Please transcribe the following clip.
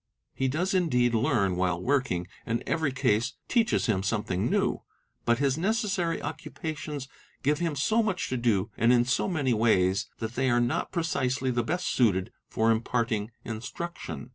He does indeed learn while working and every case teaches him something new; but his necessary occupations give him so much to do and in so many ways that they are not precisely the —| best suited for imparting instruction.